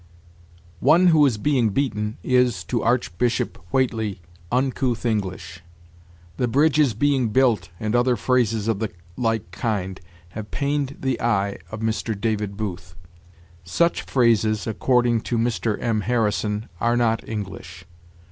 "'One who is being beaten' is, to Archbishop Whately, 'uncouth English.' '"The bridge is being built," and other phrases of the like kind, have pained the eye' of Mr. David Booth. Such phrases, according to Mr. M. Harrison, 'are not English.'